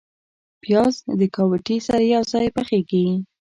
پیاز د ګاوتې سره یو ځای پخیږي